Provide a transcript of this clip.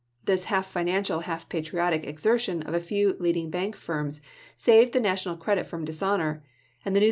This half financial, half patriotic chap. xv. exertion of a few leading banking firms saved Financial the national credit from dishonor; and the news ANtaY.